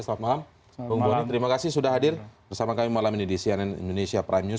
selamat malam bung boni terima kasih sudah hadir bersama kami malam ini di cnn indonesia prime news